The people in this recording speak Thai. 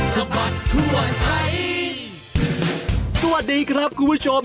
สวัสดีครับคุณผู้ชม